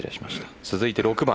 続いて６番。